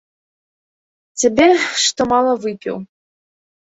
Цябе, што мала выпіў.